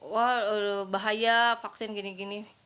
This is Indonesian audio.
wah bahaya vaksin gini gini